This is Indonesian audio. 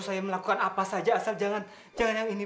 kamu angkat dari sini